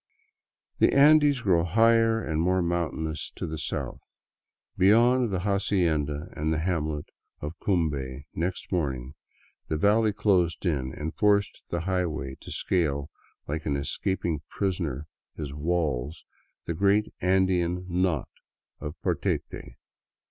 The Andes grow higher and more mountainous to the south. Be yond the hacienda and the hamlet of Cumbe next morning, the valley closed in and forced the highway to scale, like an escaping prisoner his walls, the great Andean " Knot " of Portete.